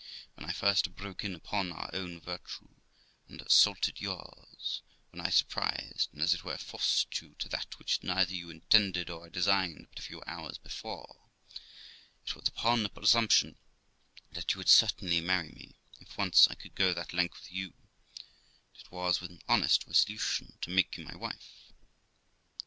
When I first broke in upon my own virtue and assaulted yours ; when I surprised, and, as it were, forced you to that which neither you intended or I designed but a few hours before, it was upon a presumption that you would certainly marry me, if once I could go that length with you, and it was with an honest resolution to make you my wife.